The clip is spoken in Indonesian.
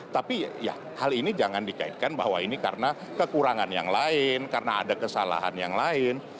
tapi ya hal ini jangan dikaitkan bahwa ini karena kekurangan yang lain karena ada kesalahan yang lain